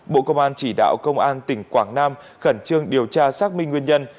bộ công an chỉ đạo công an tỉnh quảng nam khẩn trương điều tra xác minh nguyên nhân